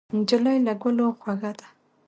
نجلۍ له ګلو خوږه ده.